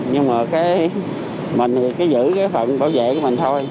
nhưng mà mình cứ giữ cái phần bảo vệ của mình thôi